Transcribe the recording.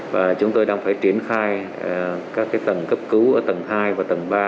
và chúng tôi đang phải triển khai các tầng cấp cứu ở tầng hai và tầng ba